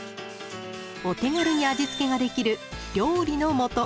お手軽に味付けができる料理のもと。